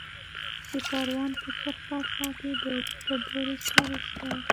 د پروان په سرخ پارسا کې د ډبرو سکاره شته.